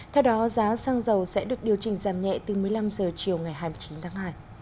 theo đó giá xăng dầu sẽ được điều chỉnh giảm nhẹ từ một mươi năm h chiều ngày hai mươi chín tháng hai